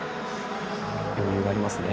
余裕がありますね。